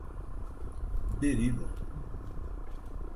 Berilo